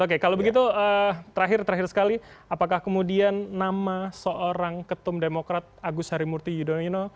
oke kalau begitu terakhir terakhir sekali apakah kemudian nama seorang ketum demokrat agus harimurti yudhoyono